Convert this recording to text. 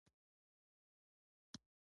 ډېره سخته حمله روانه کړې وه.